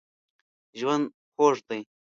ژوند خوږ دی.